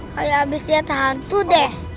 kayak abis lihat hantu deh